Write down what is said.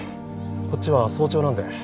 こっちは早朝なんで。